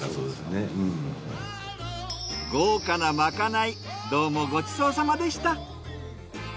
豪華なまかないどうもごちそうさまでした。